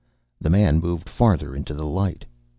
The man moved farther into the light.